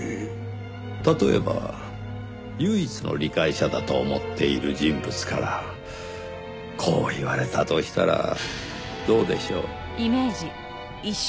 例えば唯一の理解者だと思っている人物からこう言われたとしたらどうでしょう？